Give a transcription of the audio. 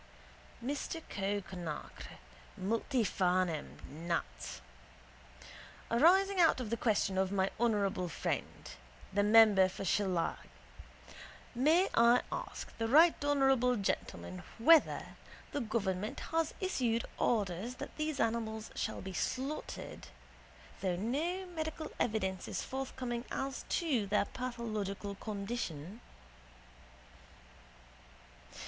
Mr Cowe Conacre (Multifarnham. Nat.): Arising out of the question of my honourable friend, the member for Shillelagh, may I ask the right honourable gentleman whether the government has issued orders that these animals shall be slaughtered though no medical evidence is forthcoming as to their pathological condition?